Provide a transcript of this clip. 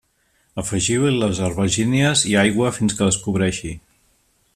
Afegiu-hi les albergínies i aigua fins que les cobreixi.